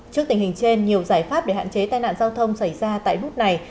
trước tình hình trên nhiều giải pháp để hạn chế tai nạn giao thông xảy ra tại bút này